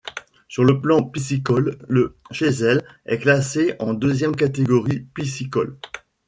Sur le plan piscicole, le Chézelles est classé en deuxième catégorie piscicole.